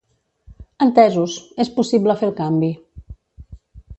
Entesos, és possible fer el canvi.